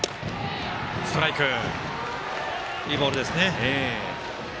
いいボールですね。